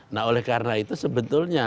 nah oleh karena itu sebetulnya